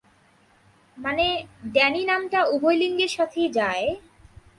মানে, ড্যানি নামটা উভয় লিঙ্গের সাথেই যায়।